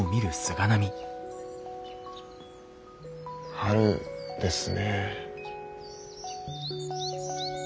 春ですね。